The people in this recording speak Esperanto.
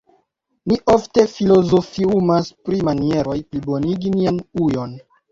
Ni ofte filozofiumas pri manieroj plibonigi nian ujon.